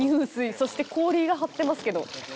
そして氷が張ってますけど。